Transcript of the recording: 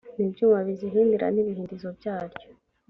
n ibyuma bizihindira n ibihindizo byaryo